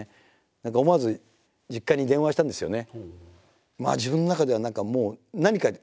何か思わず実家に電話したんですよね。